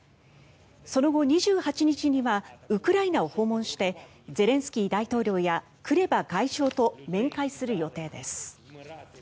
その後、２８日にはウクライナを訪問してゼレンスキー大統領やクレバ外相と面会する予定です。